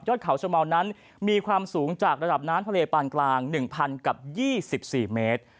เขาชะเมานั้นมีความสูงจากระดับน้ำทะเลปานกลาง๑๐๐กับ๒๔เมตร